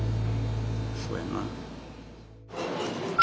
そうやな。